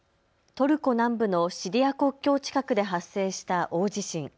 トルコ南部のシリア国境近くで発生した大地震。